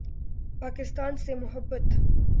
پاکستان سے محبت